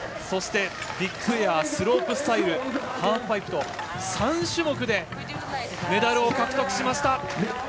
そして、ビッグエアスロープスタイルハーフパイプと３種目でメダルを獲得しました！